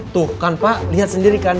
tuh kan pak lihat sendiri kan